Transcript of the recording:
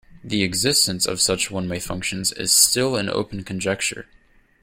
The existence of such one-way functions is still an open conjecture.